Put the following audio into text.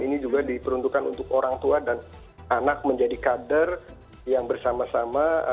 ini juga diperuntukkan untuk orang tua dan anak menjadi kader yang bersama sama